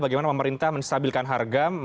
bagaimana pemerintah menstabilkan harga